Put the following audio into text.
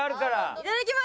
いただきます！